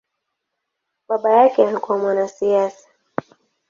Baba yake alikua mwanasiasa.